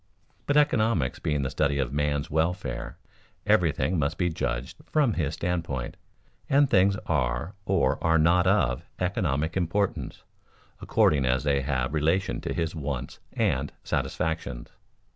But economics being the study of man's welfare, everything must be judged from his standpoint, and things are or are not of economic importance according as they have relation to his wants and satisfactions.